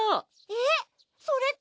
えっ？